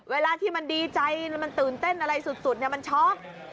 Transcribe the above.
เวลาที่มันดีใจมันตื่นเต้นอะไรสุดมันช็อก